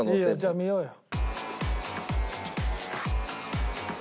じゃあ見ようよ。